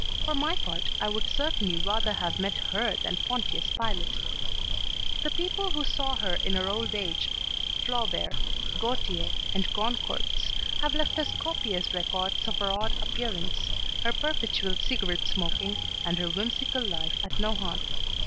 For my part I would certainly rather have met her than Pontius Pilate. The people who saw her in her old age Flaubert, Gautier, the Goncourts have left us copious records of her odd appearance, her perpetual cigarette smoking, and her whimsical life at Nohant.